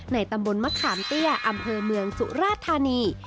ตำบลมะขามเตี้ยอำเภอเมืองสุราธานี